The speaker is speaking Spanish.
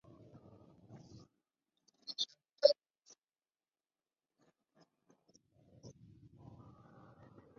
By W. H. Phelps.